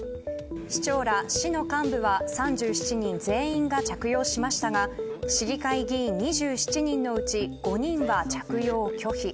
市長ら、市の幹部は３７人全員が着用しましたが市議会議員２７人のうち５人は着用を拒否。